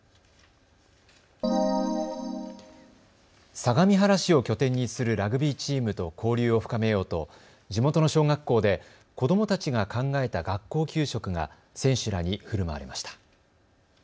相模原市を拠点にするラグビーチームと交流を深めようと地元の小学校で子どもたちが考えた学校給食が選手らにふるまわれました。